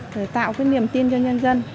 để tạo cái niềm tin cho nhân dân